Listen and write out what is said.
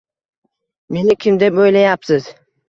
Meni kim deb o’ylayapsiz?